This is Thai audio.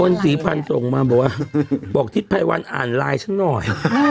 ศรีพันธ์ส่งมาบอกว่าบอกทิศภัยวันอ่านไลน์ฉันหน่อย